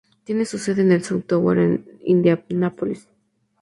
Tiene su sede en el South Tower en Indianápolis.